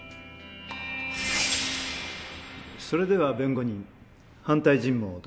それでは弁護人反対尋問をどうぞ。